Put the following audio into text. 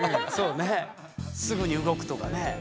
すぐに動くとかね。